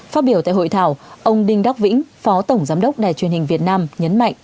phát biểu tại hội thảo ông đinh đắc vĩnh phó tổng giám đốc đài truyền hình việt nam nhấn mạnh